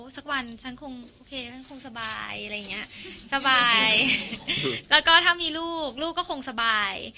สักวันฉันคงสบายแล้วก็ถ้ามีลูกลูกก็คงสบาย